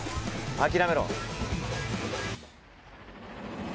諦めろ。